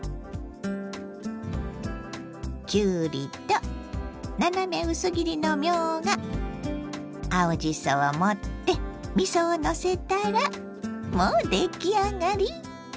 きゅうりと斜め薄切りのみょうが青じそを盛ってみそをのせたらもう出来上がり！